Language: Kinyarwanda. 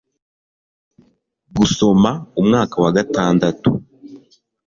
Gusoma umwaka wa gatandatu